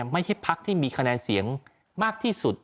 พักที่มีคะแนนเสียงมากที่สุด